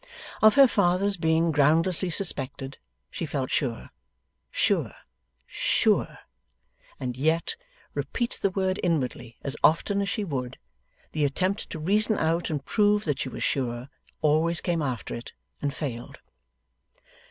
Of her father's being groundlessly suspected, she felt sure. Sure. Sure. And yet, repeat the word inwardly as often as she would, the attempt to reason out and prove that she was sure, always came after it and failed.